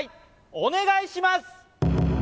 お願いします